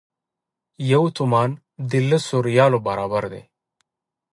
یو تومان د لسو ریالو برابر دی.